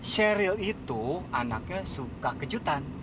sheryl itu anaknya suka kejutan